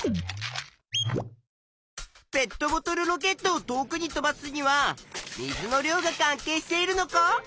ペットボトルロケットを遠くに飛ばすには「水の量が関係しているのか」